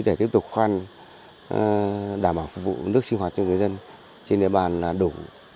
để tiếp tục khoan đảm bảo phục vụ nước sinh hoạt cho người dân trên địa bàn đủ